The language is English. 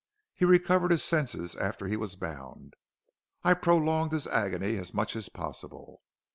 He recovered his senses after he was bound. I prolonged his agony as much as possible.